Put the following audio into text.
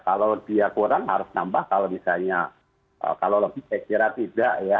kalau dia kurang harus nambah kalau misalnya kalau lebih saya kira tidak ya